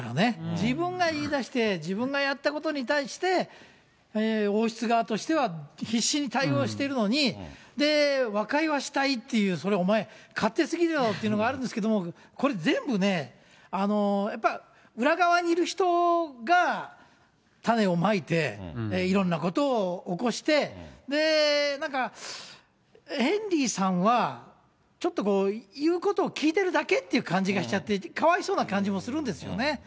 自分が言いだして、自分がやったことに対して、王室側としては必死に対応してるのに、和解はしたいっていう、それはお前、勝手すぎるだろうっていうのがあるんですけど、これ、全部ね、やっぱり裏側にいる人が、種をまいて、いろんなことを起こして、なんか、ヘンリーさんは、ちょっとこう、言うことを聞いてるだけって感じがしちゃって、かわいそうな感じもするんですよね。